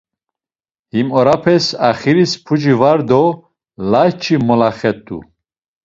Him orapes axiris puci var do layç̌i moluxet̆u.